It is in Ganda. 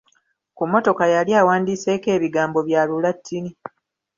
Ku mmotoka yali awandiiseko ebigambo bya lulatini.